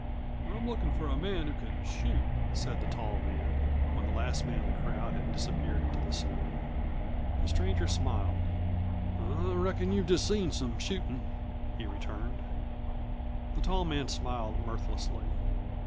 "I'm lookin' for a man who can shoot," said the tall man, when the last man of the crowd had disappeared into the saloon. The stranger smiled. "I reckon you've just seen some shootin'," he returned. The tall man smiled mirthlessly.